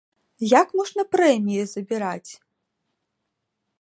Як можна прэміі забіраць?